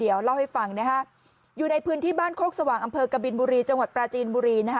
อยู่ในผึ่นที่บ้านคกสว่างอำเภอกบินบุรีจังหวัดปราจีนบุรีนะฮะ